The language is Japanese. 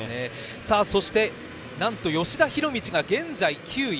そして、なんと吉田弘道が現在９位。